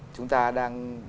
chúng ta đang